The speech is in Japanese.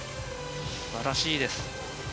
素晴らしいです。